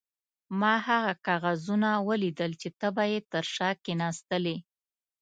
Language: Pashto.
ما هغه کاغذونه ولیدل چې ته به یې تر شا کښېناستلې.